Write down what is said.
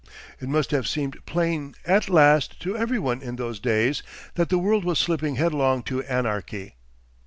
It must have seemed plain at last to every one in those days that the world was slipping headlong to anarchy.